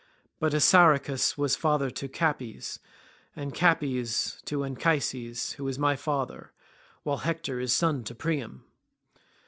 But Assaracus was father to Capys, and Capys to Anchises, who was my father, while Hector is son to Priam.